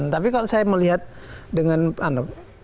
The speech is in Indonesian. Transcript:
tapi kalau saya melihat dengan apa